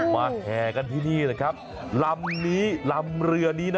มาแห่งกันที่นี่เลยลำเรือนี้